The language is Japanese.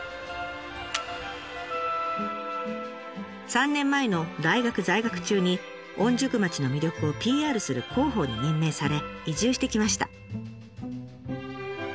３年前の大学在学中に御宿町の魅力をＰＲする広報に任命され移住してきました。